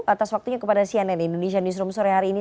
atas waktunya kepada cnn indonesia newsroom sore hari ini